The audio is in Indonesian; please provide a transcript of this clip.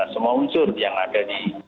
semua unsur yang ada di